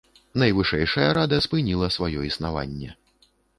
Найвышэйшая рада спыніла сваё існаванне.